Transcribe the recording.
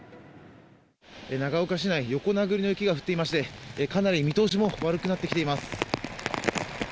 長岡市内横殴りの雪が降っていましてかなり見通しも悪くなってきています。